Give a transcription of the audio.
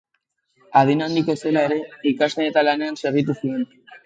Adin handiko zela ere, ikasten eta lanean segitu zuen.